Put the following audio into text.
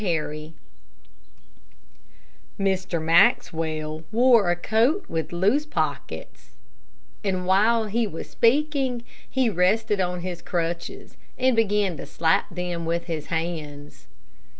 HARRY Mr. Maxwell wore a coat with loose pockets, and while she was speaking, he rested on his crutches, and began to slap them with his hands.